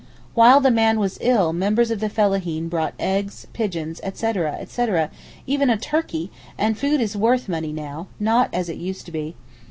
While the man was ill numbers of the fellaheen brought eggs, pigeons, etc. etc. even a turkey, and food is worth money now, not as it used to be.